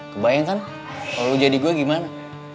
kebayangkan kalau lo jadi gue gimana